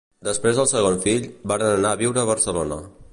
Després del segon fill, varen anar a viure a Barcelona.